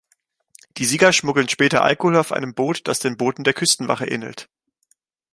Die Sieger schmuggeln später Alkohol auf einem Boot, das den Booten der Küstenwache ähnelt.